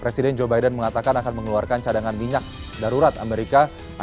presiden joe biden mengatakan akan mengeluarkan cadangan minyak darurat amerika